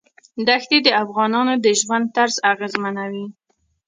دښتې د افغانانو د ژوند طرز اغېزمنوي.